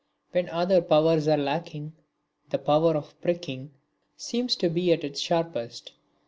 When other powers are lacking, the power of pricking seems to be at its sharpest.